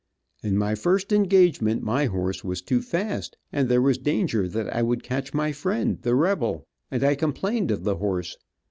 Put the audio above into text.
In my first engagement my horse was too fast, and there was danger that I would catch my friend, the rebel, and I complained of the horse.